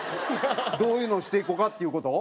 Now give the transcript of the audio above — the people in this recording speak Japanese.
どういうのをしていこうかっていう事？